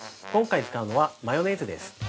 今回使うのは、マヨネーズです。